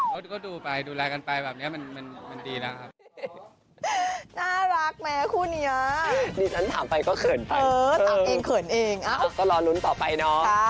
แล้วดูก็ดูไปดูแลกันไปแบบนี้มันดีแล้วครับ